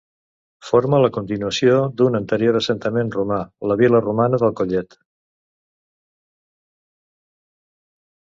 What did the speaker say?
Forma la continuació d'un anterior assentament romà, la vil·la romana del Collet.